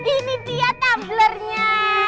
ini dia tablernya